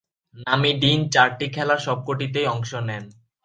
নামি ডিন চারটি খেলার সবকটিতেই অংশ নেন।